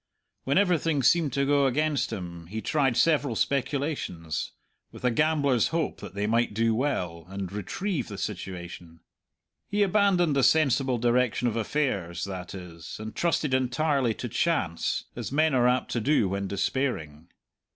When everything seemed to go against him he tried several speculations, with a gambler's hope that they might do well, and retrieve the situation. He abandoned the sensible direction of affairs, that is, and trusted entirely to chance, as men are apt to do when despairing.